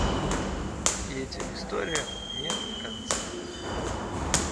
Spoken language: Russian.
И этим историям нет конца.